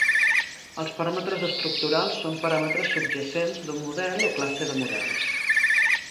Els paràmetres estructurals són paràmetres subjacents d'un model o classe de models.